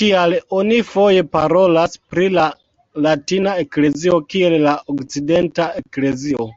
Tial oni foje parolas pri la latina eklezio kiel "la okcidenta eklezio".